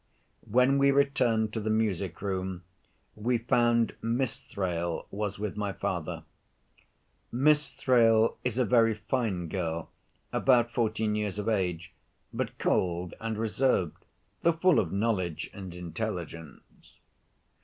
When we returned to the music room, we found Miss Thrale was with my father. Miss Thrale is a very fine girl, about fourteen years of age, but cold and reserved, though full of knowledge and intelligence.